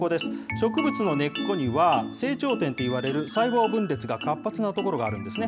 植物の根っこには、成長点といわれる、細胞分裂が活発な所があるんですね。